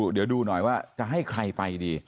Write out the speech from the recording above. เดี๋ยวดูหน่อยว่าจะให้ใครไปดี